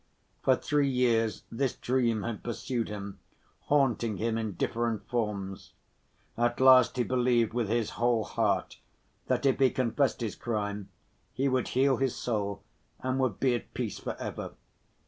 For three years this dream had pursued him, haunting him in different forms. At last he believed with his whole heart that if he confessed his crime, he would heal his soul and would be at peace for ever.